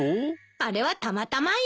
あれはたまたまよ。